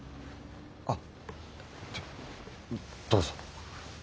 あっどどうぞ。